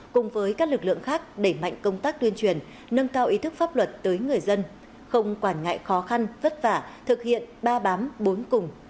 cùng với các lực lượng khác đẩy mạnh công tác tuyên truyền nâng cao ý thức pháp luật tới người dân không quản ngại khó khăn vất vả thực hiện ba bám bốn cùng